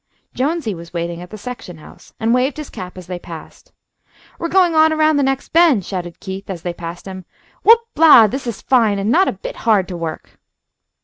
Jonesy was waiting at the section house, and waved his cap as they passed. "We're going on, around the next bend," shouted Keith, as they passed him. "Whoop la! this is fine, and not a bit hard to work!"